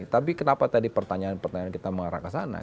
tapi kenapa tadi pertanyaan pertanyaan kita mengarah ke sana